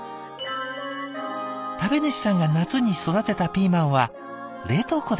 「食べ主さんが夏に育てたピーマンは冷凍庫でストック。